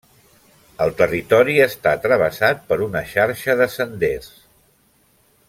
El territori està travessat per una xarxa de senders.